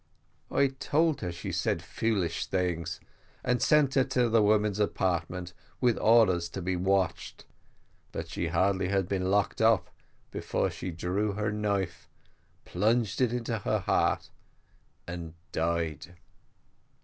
"I told her she said foolish things, and sent her to the women's apartment, with orders to be watched but she hardly had been locked up before she drew her knife, plunged it into her heart, and died.